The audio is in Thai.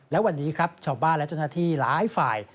และวันนี้ครับชาวบ้านและเจ้าหน้าที่หลายฝ่าย